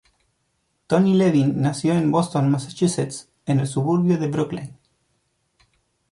Tony Levin nació en Boston, Massachusetts, en el suburbio de Brookline.